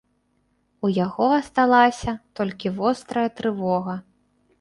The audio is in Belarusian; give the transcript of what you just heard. У яго асталася толькі вострая трывога.